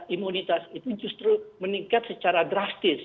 imunitas itu justru meningkat secara drastis